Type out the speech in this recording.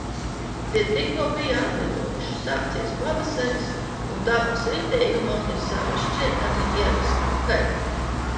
Tie tikko bija atlidojuši. Sācies pavasaris, un dabas ritējumam ir sava šķietami ierastā gaita.